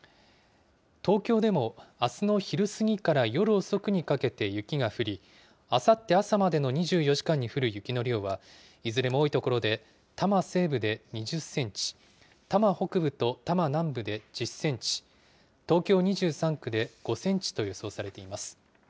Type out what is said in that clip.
東京でもあすの昼過ぎから夜遅くにかけて雪が降り、あさって朝までの２４時間に降る雪の量は、いずれも多い所で、多摩西部で２０センチ、多摩北部と多摩南部で１０センチ、東京２３区で５センチと予想されています。